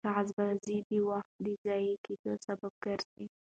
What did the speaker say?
کاغذبازي د وخت د ضایع کېدو سبب ګرځي.